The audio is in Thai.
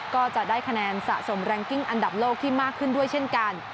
ก็จะได้คะแนนสะสมแรงกิ้งอันดับโลกที่มากขึ้นด้วยเช่นกัน